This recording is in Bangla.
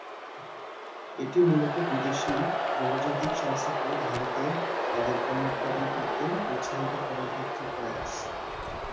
এটি মুলত বিদেশি বহুজাতিক সংস্থাকে ভারতে তাদের পণ্য উৎপাদন করতে উৎসাহিত করার একটি প্রয়াস।